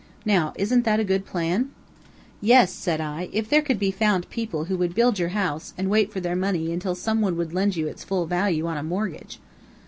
Now, isn't that a good plan?" "Yes," said I, "if there could be found people who would build your house and wait for their money until some one would lend you its full value on a mortgage."